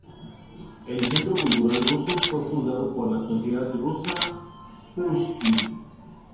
El Centro Cultural Ruso fue fundado por la Sociedad Rusa Pushkin.